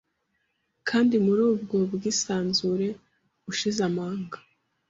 kandi, muri ubwo bwisanzure, ushize amanga;